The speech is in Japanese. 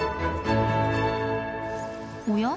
おや？